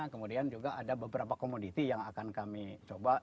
kemudian juga ada beberapa komoditi yang akan kami coba